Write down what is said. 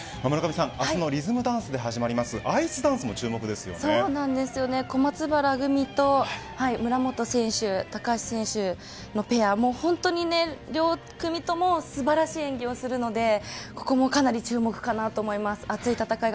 明日のリズムダンスで始まるそうなんですよね小松原組と村元選手、高橋選手のペアも、本当に両組とも素晴らしい演技をするのでここもかなり注目だと思います。